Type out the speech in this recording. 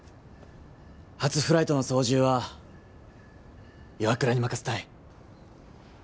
初フライトの操縦は岩倉に任すったい。